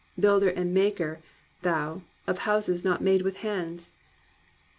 Builder and maker, thou, of houses not made with hands!